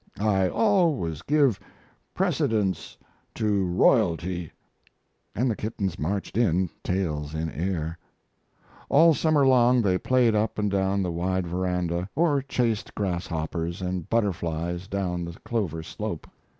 I always give precedence to royalty." And the kittens marched in, tails in air. All summer long they played up and down the wide veranda, or chased grasshoppers and butterflies down the clover slope.